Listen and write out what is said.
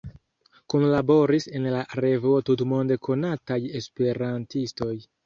Kunlaboris en la revuo tutmonde konataj esperantistoj.